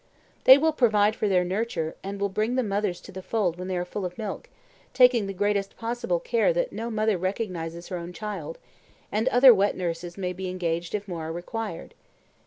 They will provide for their nurture, and will bring the mothers to the fold when they are full of milk, taking the greatest possible care that no mother recognises her own child; and other wet nurses may be engaged if more are required.